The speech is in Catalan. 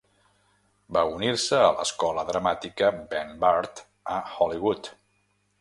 Va unir-se a l'escola dramàtica Ben Bard a Hollywood.